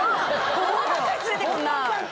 本物ばっかり連れてくんなぁ。